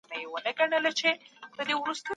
کمپيوټر د بس مهالوېش ښيي.